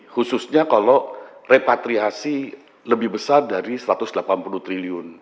khususnya kalau repatriasi lebih besar dari rp satu ratus delapan puluh triliun